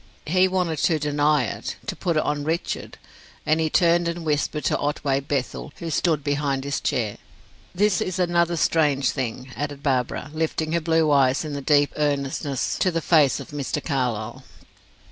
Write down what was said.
He wanted to deny it to put it on Richard; and he turned and whispered to Otway Bethel, who stood behind his chair. This is another strange thing," added Barbara, lifting her blue eyes in their deep earnestness to the face of Mr. Carlyle.